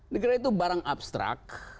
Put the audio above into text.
negara itu barang abstrak